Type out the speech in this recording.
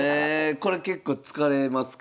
これ結構使われますか？